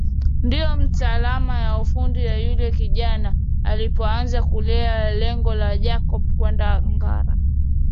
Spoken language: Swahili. Ndio mtaalam wa ufundi na yule kijana walipoanza kuelewa lengo la Jacob kwenda Ngara